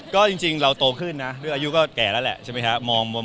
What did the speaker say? ก็จริงเราโตขึ้นนะด้วยอายุก็แก่แล้วแหละใช่ไหมครับ